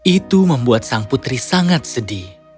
itu membuat sang putri sangat sedih